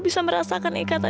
andang mengatakan bahwa